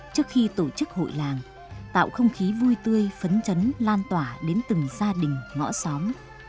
trước khi tổ chức hội làng tạo không khí vui tươi phấn chấn lan tỏa đến từng gia đình ngõ xóm